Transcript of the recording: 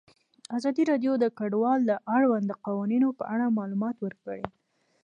ازادي راډیو د کډوال د اړونده قوانینو په اړه معلومات ورکړي.